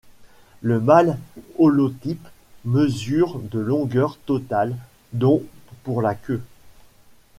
Le mâle holotype mesure de longueur totale dont pour la queue.